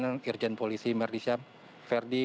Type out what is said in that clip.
dan irjen polisi merdisha verdi